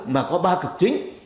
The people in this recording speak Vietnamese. mà có ba cực chính